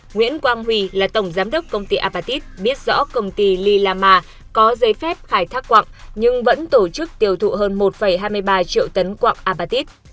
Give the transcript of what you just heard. nguyễn quang huy là tổng giám đốc công ty apatit biết rõ công ty lilama có giấy phép khai thác quặng nhưng vẫn tổ chức tiêu thụ hơn một hai mươi ba triệu tấn quặng apatit